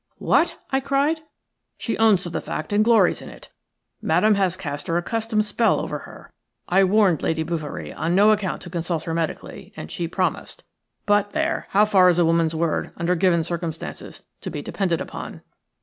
"What!" I cried. "She owns to the fact and glories in it. Madame has cast her accustomed spell over her. I warned Lady Bouverie on no account to consult her medically, and she promised. But, there, how far is a woman's word, under given circumstances, to be depended upon?"